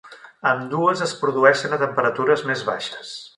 Ambdues es produeixen a temperatures més baixes.